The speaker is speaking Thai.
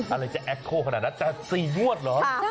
อะไรจะแอคโทรขนาดนั้นแต่๔งวดเหรอ